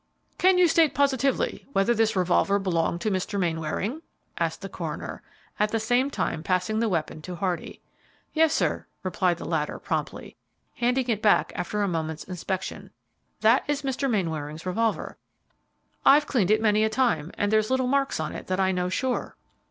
"Can you state positively whether this revolver belonged to Mr. Mainwaring?" asked the coroner, at the same time passing the weapon to Hardy. "Yes, sir," replied the latter, promptly, handing it back after a moment's inspection, "that is Mr. Mainwaring's revolver. I've cleaned it many a time, and there's little marks on it that I know sure."